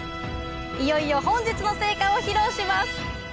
いよいよ本日の成果を披露します